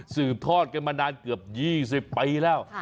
สืบทอดกันมานานเกือบ๒๐ปีแล้ว